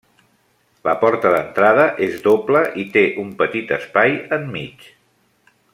La porta d'entrada és doble i té un petit espai enmig.